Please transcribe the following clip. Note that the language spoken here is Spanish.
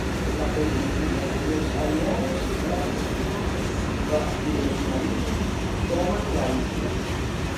En la película, los aliados lanzan una ofensiva y los marines toman la isla.